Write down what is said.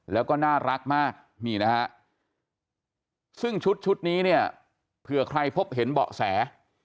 แล้วก็น่ารักมากนี่นะฮะซึ่งชุดนี้เนี่ยเผื่อใครพบเห็นเบาะแส